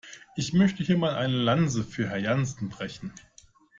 Ich möchte hier mal eine Lanze für Herrn Jansen brechen.